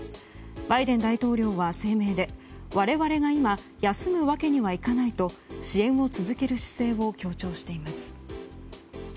バイデン大統領は声明で我々が今休むわけにはいかないと支援を続ける姿勢を強調しています。